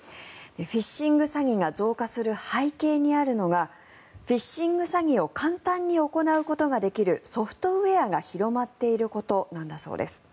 フィッシング詐欺が増加する背景にあるのがフィッシング詐欺を簡単に行うことができるソフトウェアが広がっていることだそうです。